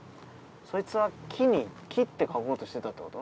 そいつは木に「木」って書こうとしてたってこと？